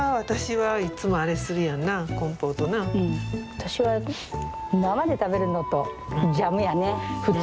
私は生で食べるのとジャムやね普通。